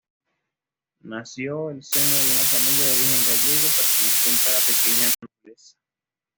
Nació el seno de una familia de origen gallego perteneciente a la pequeña nobleza.